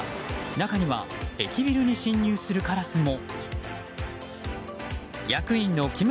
中には駅ビルに侵入するカラスも。